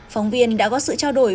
phóng viên đã có sự trao đổi